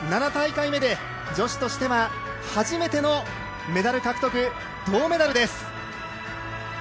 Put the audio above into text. ７大会目で女子としては初めてのメダル獲得、銅メダル獲得です。